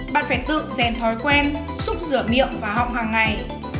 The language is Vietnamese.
năm bạn phải tự dèn thói quen xúc rửa miệng và họng hàng ngày